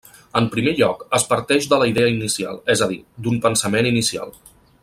En primer lloc, es parteix de la idea inicial, és a dir, d’un pensament inicial.